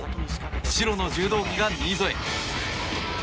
白の柔道着が新添。